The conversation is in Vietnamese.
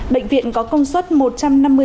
bệnh viện có công suất một đồng